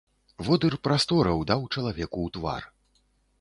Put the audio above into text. Водыр прастораў даў чалавеку ў твар.